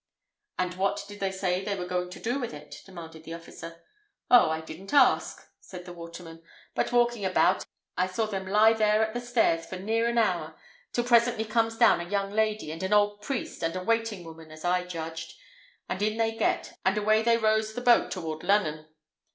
"And what did they say they were going to do with it?" demanded the officer. "Oh! I didn't ask," said the waterman; "but walking about I saw them lie there at the stairs for near an hour, till presently comes down a young lady, and an old priest, and a waiting woman, as I judged, and in they get, and away rows the boat toward Lunnun.